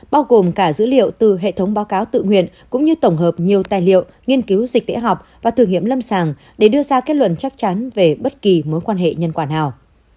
bao gồm cả dữ liệu từ hệ thống báo cáo tự nguyện cũng như tổng hợp nhiều tài liệu nghiên cứu dịch tễ học và thử nghiệm lâm sàng để đưa ra kết luận chắc chắn về bất kỳ mối quan hệ nhân quản nào